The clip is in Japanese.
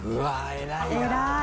偉い。